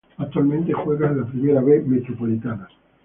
Actualmente juega en la Primera B Metropolitana.